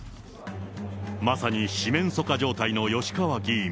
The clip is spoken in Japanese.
まさに四面楚歌状態の吉川議員。